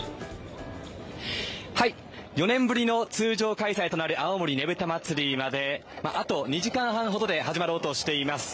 ４年ぶりの通常開催となる青森ねぶた祭まであと２時間半ほどで始まろうとしています。